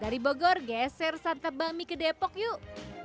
dari bogor geser santabami ke depok yuk